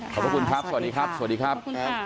ขอบคุณครับสวัสดีครับ